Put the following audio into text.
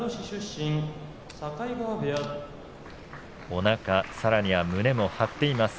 おなか、さらには胸も張っています